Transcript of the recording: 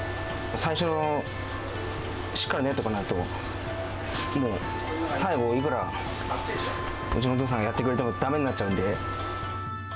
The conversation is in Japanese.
最初しっかり練っておかないと、もう最後、いくら、うちのお父さんがやってくれてもだめになっちゃうんで。